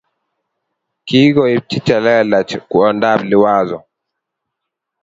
Kikokiibchi che lelach kwondap Liwazo